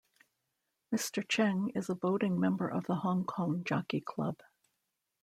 Mr. Cheng is a voting member of the Hong Kong Jockey Club.